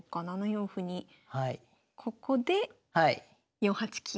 ７四歩にここで４八金。